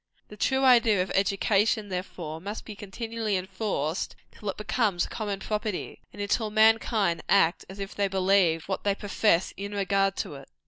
The true idea of education, therefore, must be continually enforced, till it becomes common property, and until mankind act as if they believed what they profess in regard to it.